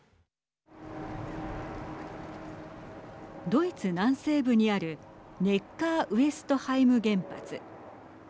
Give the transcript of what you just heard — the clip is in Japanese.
ドイツ南西部にあるネッカーウェストハイム原発。